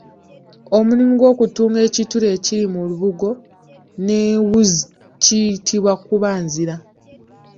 Omulimu gw’okutunga ekituli ekiri mu lubugo n’ewuzi tukiyita kubaziira.